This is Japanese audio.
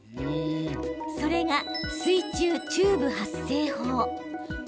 それが、水中チューブ発声法。